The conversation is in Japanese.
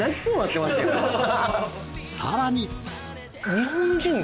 さらに